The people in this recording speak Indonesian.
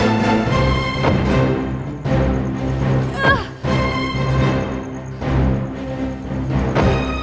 aku sangka enggak boleh diambil